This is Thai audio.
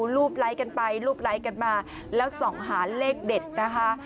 รูปไลค์กันไปรูปไลค์กันมาแล้วส่องหาเลขเด็ดนะคะ